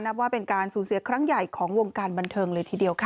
ว่าเป็นการสูญเสียครั้งใหญ่ของวงการบันเทิงเลยทีเดียวค่ะ